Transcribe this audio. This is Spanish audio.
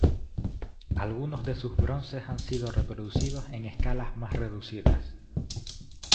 Algunos de sus bronces han sido reproducidos en escalas más reducidas.